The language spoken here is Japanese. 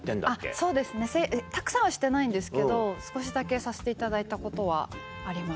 そうですねたくさんはしてないんですけど少しだけさせていただいたことはあります。